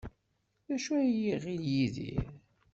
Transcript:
D acu ay iɣil Yidir?